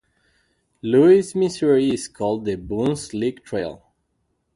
Louis, Missouri is called the Boone's Lick Trail.